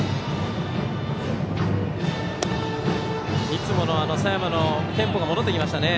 いつもの佐山のテンポが戻ってきましたね。